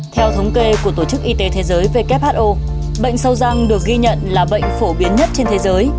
theo thống kê của tổ chức y tế thế giới who bệnh sâu răng được ghi nhận là bệnh phổ biến nhất trên thế giới